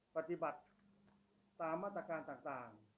ปฏิบัติตามมาตรการต่าง